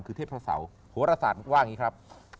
คือเทพเสาโหรศาสตร์ว่าอย่างนี้ครับ